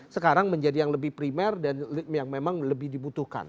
sekarang menjadi yang lebih primer dan yang memang lebih dibutuhkan